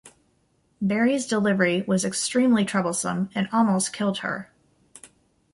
Berry's delivery was extremely troublesome and almost killed her.